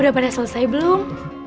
udah pada selesai belum